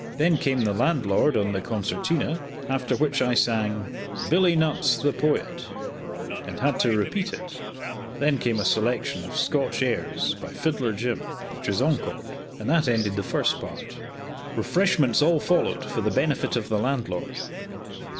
Then came the landlord on the concertina; after which I sang "Billy Nutts, the Poet," and had to repeat it; then came a selection of Scotch airs, by Fiddler Jim, which was encored; and that ended the first part. Refreshments all followed, for the benefit of the landlord.